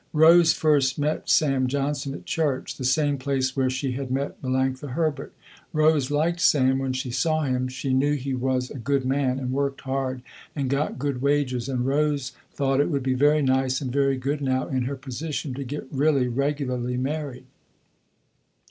Rose first met Sam Johnson at church, the same place where she had met Melanctha Herbert. Rose liked Sam when she saw him, she knew he was a good man and worked hard and got good wages, and Rose thought it would be very nice and very good now in her position to get really, regularly married.